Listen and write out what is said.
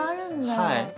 はい。